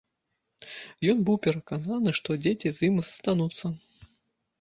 Ён быў перакананы, што дзеці з ім застануцца.